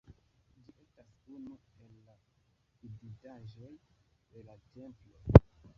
Ĝi estas unu el la vidindaĵoj de la templo.